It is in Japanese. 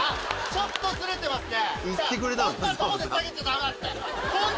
ちょっとズレてますね。